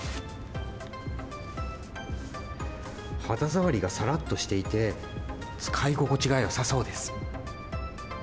肌触りがさらっとしていて、使い心地がよさそうです。